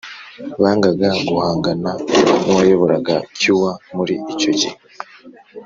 bangaga guhangana n'uwayoboraga oua muri icyo gihe.